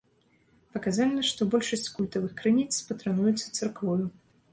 Паказальна, што большасць культавых крыніц патрануюцца царквою.